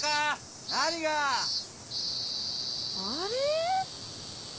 あれ？